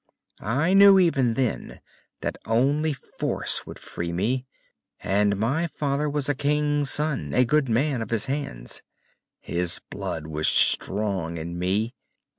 I knew even then that only force would free me. And my father was a king's son, a good man of his hands. His blood was strong in me.